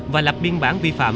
và lập biên bản vi phạm